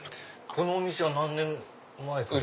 このお店は何年前から？